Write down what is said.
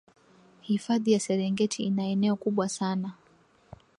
hifadhi ya serengeti ina eneo kubwa sana